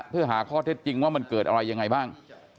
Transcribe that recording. เพื่อหาข้อเท็จจริงว่ามันเกิดอะไรยังไงบ้าง